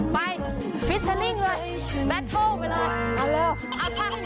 ไปฟิชชันิ่งเลยแบตเทิลไปเลย